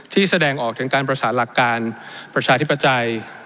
แสดงออกถึงการประสานหลักการประชาธิปไตย